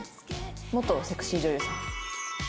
元セクシー女優さん。